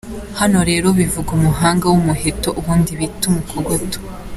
Hano rero bivuga umuhanga w’umuheto ubundi bita umukogoto.